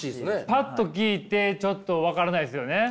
パッと聞いてちょっと分からないですよね。